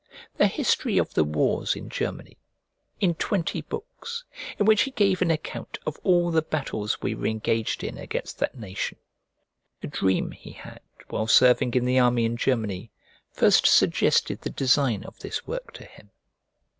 "The History of the Wars in Germany," in twenty books, in which he gave an account of all the battles we were engaged in against that nation. A dream he had while serving in the army in Germany first suggested the design of this work to him.